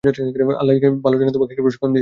আল্লাহই জানে কে তোমাকে প্রশিক্ষণ দিয়েছে।